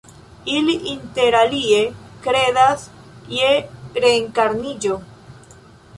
Ili interalie kredas je reenkarniĝo.